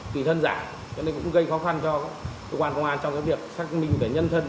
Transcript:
từ thân giả cho nên cũng gây khó khăn cho công an trong việc xác minh về nhân thân